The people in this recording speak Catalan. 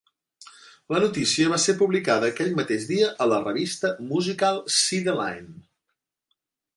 La notícia va ser publicada aquell mateix dia a la revista musical Side-Line.